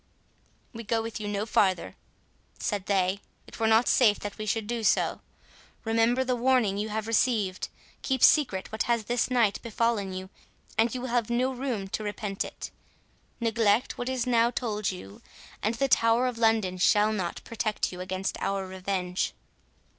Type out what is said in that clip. "We go with you no farther," said they; "it were not safe that we should do so.—Remember the warning you have received—keep secret what has this night befallen you, and you will have no room to repent it—neglect what is now told you, and the Tower of London shall not protect you against our revenge."